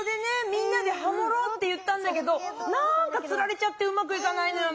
みんなでハモろうって言ったんだけどなんかつられちゃってうまくいかないのよ。